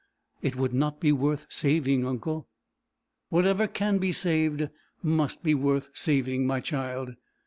"It would not be worth saving, uncle." "Whatever can be saved, must be worth saving, my child."